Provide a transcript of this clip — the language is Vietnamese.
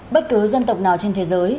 bất cứ dân tộc nào trên thế giới